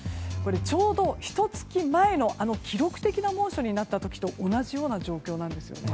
ちょうど、ひと月前の記録的な猛暑になった時と同じような状況なんですよね。